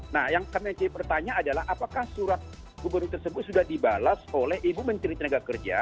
nah yang pernah jadi pertanyaan adalah apakah surat gubernur tersebut sudah dibalas oleh ibu menteri tenaga kerja